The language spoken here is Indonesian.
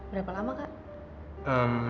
berapa lama kak